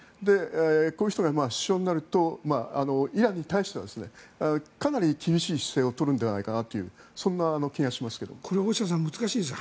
こういう人が首相になるとイランに対してはかなり厳しい姿勢を取るのではないかなというこれ、難しいですよ。